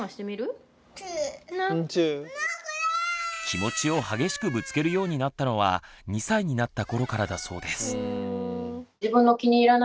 気持ちを激しくぶつけるようになったのは２歳になった頃からだそうです。